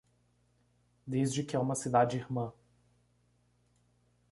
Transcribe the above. Desde que é uma cidade irmã